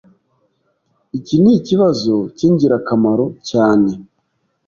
Iki nikibazo cyingirakamaro cyane.